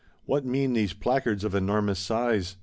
What mean these "placards of enormous size"?